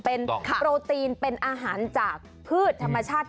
เป็นโปรตีนเป็นอาหารจากพืชธรรมชาติ